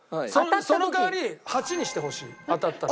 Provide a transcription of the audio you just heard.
その代わり８にしてほしい当たったら。